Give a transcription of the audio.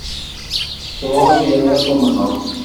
Truḍ yerna tumneḍ.